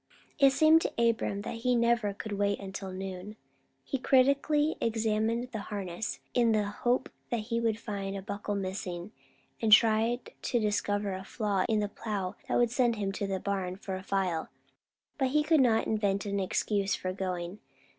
It seemed to Abram that he never could wait until noon. He critically examined the harness, in the hope that he would find a buckle missing, and tried to discover a flaw in the plow that would send him to the barn for a file; but he could not invent an excuse for going.